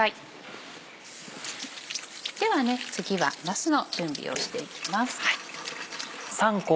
では次はなすの準備をしていきます。